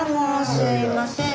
すいません。